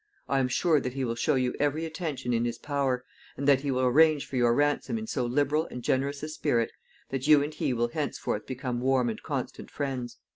I am sure that he will show you every attention in his power, and that he will arrange for your ransom in so liberal and generous a spirit that you and he will henceforth become warm and constant friends."